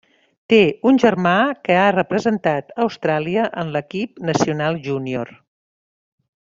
Té un germà que ha representat a Austràlia en l'equip nacional junior.